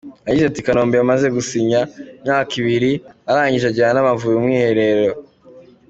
Yagize ati “Kanombe yamaze gusinya imyaka ibiri arangije ajyana n’Amavubi mu mwiherero.